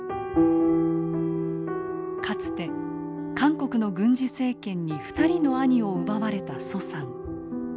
かつて韓国の軍事政権に２人の兄を奪われた徐さん。